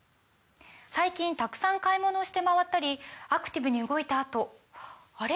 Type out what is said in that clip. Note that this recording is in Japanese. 最近たくさん買い物をして回ったりアクティブに動いたあとあれ？